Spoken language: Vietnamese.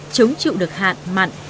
chống chịu được hạn mặn